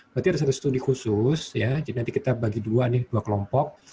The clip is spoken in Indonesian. berarti ada satu studi khusus jadi nanti kita bagi dua kelompok